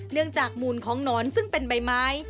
เนื่องจากมูลของหนอนซึ่งเป็นใบไม้